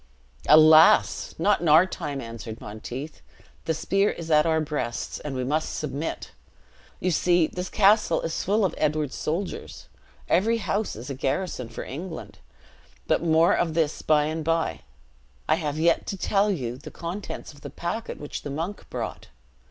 "Alas! not in our time!" answered Monteith. "The spear is at our breasts, and we must submit. You see this castle is full of Edward's soldiers. Every house is a garrison for England but more of this by and by; I have yet to tell you the contents of the packet which the monk brought.